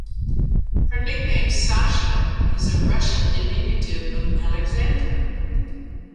Her nickname "Sasha" is a Russian diminutive of "Alexandra".